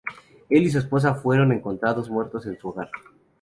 Él y su esposa fueron encontrados muertos en su hogar.